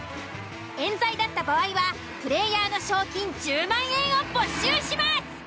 冤罪だった場合はプレイヤーの賞金１０万円を没収します！